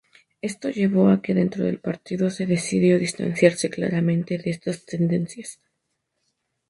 Esto llevó a que dentro del partido se decidió distanciarse claramente de estas tendencias.